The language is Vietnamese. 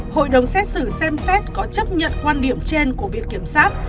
hội đồng xét xử xem xét có chấp nhận quan điểm trên của viện kiểm sát